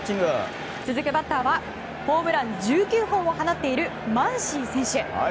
続くバッターはホームラン１９本を放っているマンシー選手。